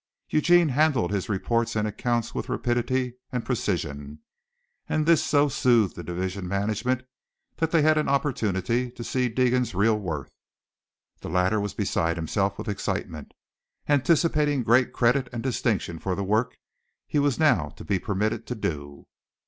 Eugene handled his reports and accounts with rapidity and precision, and this so soothed the division management that they had an opportunity to see Deegan's real worth. The latter was beside himself with excitement, anticipating great credit and distinction for the work he was now to be permitted to do.